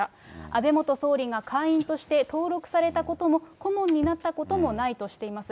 安倍元総理が会員として、登録されたことも、顧問になったこともないとしています。